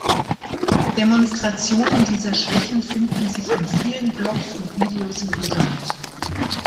Demonstrationen dieser Schwächen finden sich in vielen Blogs und Videos im Internet.